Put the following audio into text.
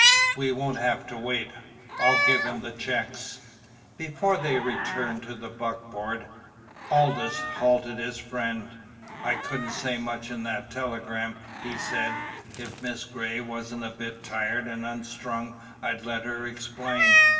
"We won't have to wait. I'll give him the checks." Before they returned to the buckboard, Aldous halted his friend. "I couldn't say much in that telegram," he said. "If Miss Gray wasn't a bit tired and unstrung I'd let her explain.